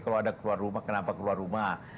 kalau ada keluar rumah kenapa keluar rumah